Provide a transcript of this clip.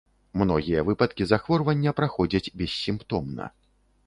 Многія выпадкі захворвання праходзяць бессімптомна.